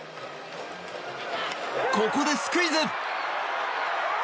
ここでスクイズ！